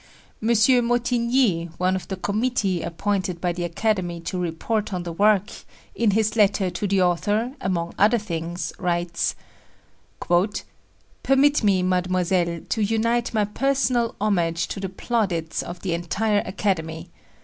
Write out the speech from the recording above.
M. Motigny, one of the committee appointed by the Academy to report on the work, in his letter to the author, among other things, writes: "Permit me, Mademoiselle, to unite my personal homage to the plaudits of the entire Academy.